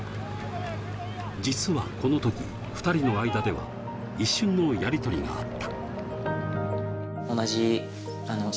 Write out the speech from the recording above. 実はこの時、２人の間では一瞬のやりとりがあった。